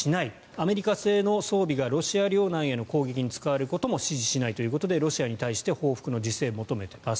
アメリカ製の装備がロシア領内への攻撃に使われることも支持しないということでロシアに対して報復の自制を求めています。